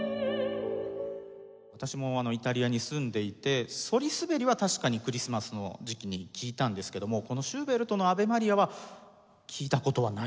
私もイタリアに住んでいて『そりすべり』は確かにクリスマスの時期に聴いたんですけどもシューベルトの『アヴェ・マリア』は聴いた事はないですね。